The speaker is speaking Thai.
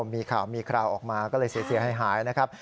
มีข่าวมีคราวออกมาก็เลยเสียหายนะครับ